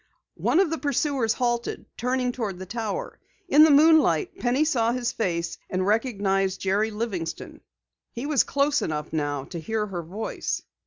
One of the pursuers halted, turning toward the tower. In the moonlight Penny saw his face and recognized Jerry Livingston. He was close enough now to hear her voice.